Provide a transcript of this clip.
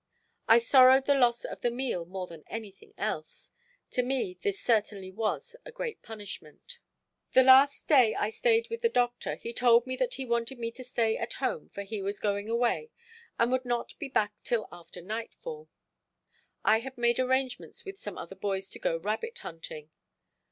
I sorrowed the loss of the meal more than anything else. To me this certainly was a great punishment. The last day I stayed with the Doctor he told me that he wanted me to stay at home for he was going away and would not be back till after nightfall. I had made arrangements with some other boys to go rabbit hunting.